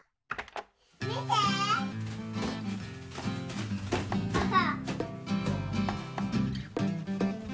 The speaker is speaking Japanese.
みてパパ！